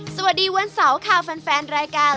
สวัสดีวันเสาร์ค่ะแฟนรายการ